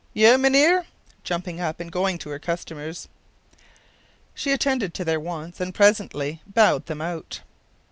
“_Je, mynheer_,” jumping up and going to her customers. She attended to their wants, and presently bowed them out.